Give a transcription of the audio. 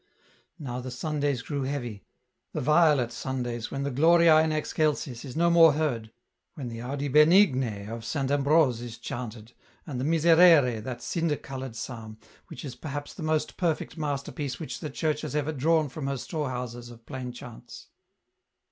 Now the Sundays grew heavy, the violet Sundays when the " Gloria in Excelsis " is no more heard, when the " Audi Benigne " of Saint Ambrose is chanted, and the Miserere," that cinder coloured psalm, which is perhaps the most perfect masterpiece which the Church has ever drawn from her store houses of plain chants.